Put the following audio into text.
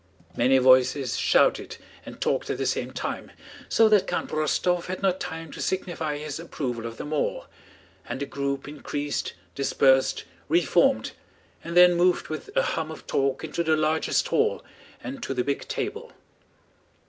Many voices shouted and talked at the same time, so that Count Rostóv had not time to signify his approval of them all, and the group increased, dispersed, re formed, and then moved with a hum of talk into the largest hall and to the big table.